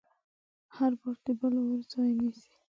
هر باور د بل باور ځای نيسي.